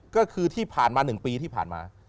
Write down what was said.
ก็คือที่ผ่านมา๑ปีที่ผ่านมา